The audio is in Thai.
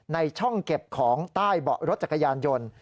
ในช่องเก็บของใต้เบาะรถจักรยานยนต์